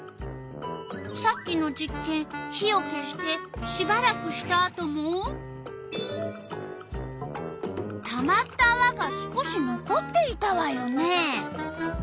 さっきの実験火を消してしばらくしたあともたまったあわが少し残っていたわよね。